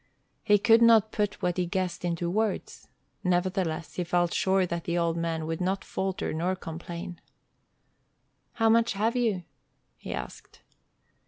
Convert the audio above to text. He could not put what he guessed into words. Nevertheless, he felt sure that the old man would not falter nor complain. "How much have you?" he asked.